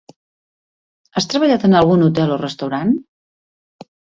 Has treballat en algun hotel o restaurant?